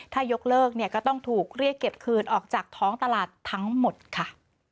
ถ้ายกเลิกเนี่ยก็ต้องถูกเรียกเก็บคืนออกจากท้องตลาดทั้งหมดค่ะ